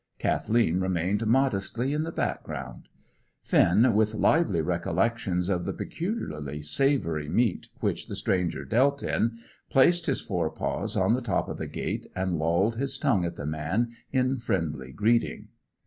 Kathleen remained modestly in the background. Finn, with lively recollections of the peculiarly savoury meat which the stranger dealt in, placed his fore paws, on the top of the gate, and lolled his tongue at the man in friendly greeting.